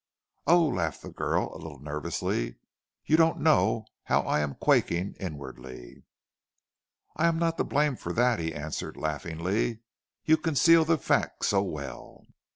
"Oh," laughed the girl a little nervously, "you do not know how I am quaking inwardly." "I am not to blame for that," he answered laughingly, "you conceal the fact so well."